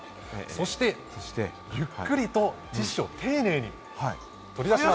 そしてゆっくりとティッシュを丁寧に取り出します。